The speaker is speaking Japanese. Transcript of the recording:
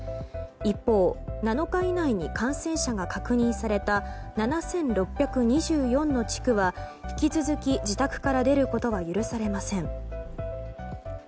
一方、７日以内に感染者が確認された７６２４の地区は引き続き自宅から出ることは許されません。